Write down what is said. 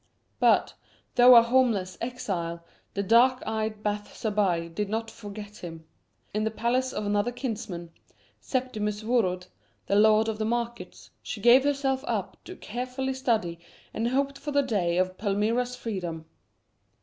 But, though a homeless exile, the dark eyed Bath Zabbai did not forget him. In the palace of another kinsman, Septimus Worod, the "lord of the markets," she gave herself up to careful study, and hoped for the day of Palmyra's freedom.